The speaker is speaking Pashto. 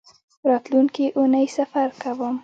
راتلونکۍ اونۍ سفر کوم